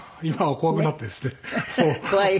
怖い？